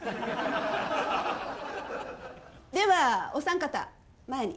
ではお三方前に。